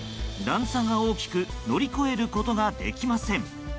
段差が大きく乗り越えることができません。